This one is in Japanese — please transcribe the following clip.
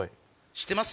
知ってます？